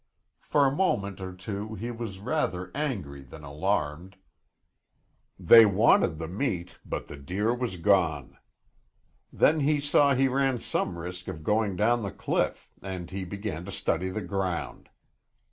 For a moment or two he was rather angry than alarmed. They wanted the meat but the deer was gone. Then he saw he ran some risk of going down the cliff and he began to study the ground.